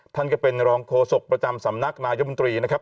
ท่านก็เป็นรองโฆษกประจำสำนักนายมนตรีนะครับ